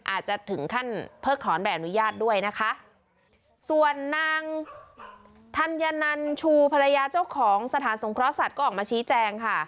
อาจจะถึงขั้นเพิกถอนใบอนุญาตด้วยนะคะส่วนนางธัญนันชูภรรยาเจ้าของสถานสงเคราะหสัตว์ก็ออกมาชี้แจงค่ะ